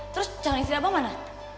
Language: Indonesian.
terus calon istri abang mana